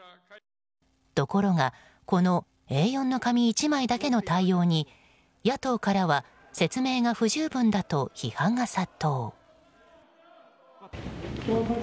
ところがこのＡ４の紙１枚だけの対応に野党からは説明が不十分だと批判が殺到。